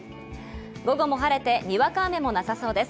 午後も晴れてにわか雨もなさそうです。